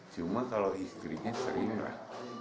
cuma kalau istrinya sering lah